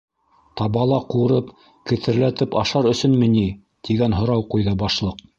Табала ҡурып, кетерләтеп ашар өсөнмө ни? - тигән һорау ҡуйҙы Башлыҡ.